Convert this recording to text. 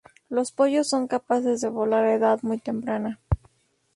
Los pollos son capaces de volar a edad muy temprana.